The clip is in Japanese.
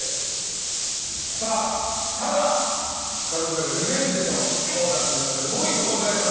ただ、桂先生リベンジのコーナーというかもう１個ございます。